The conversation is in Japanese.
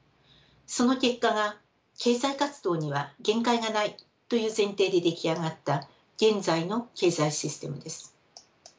その結果が経済活動には限界がないという前提で出来上がった現在の経済システムです。